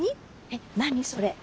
えっ何それ。